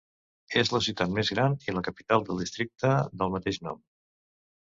És la ciutat més gran i la capital del districte del mateix nom.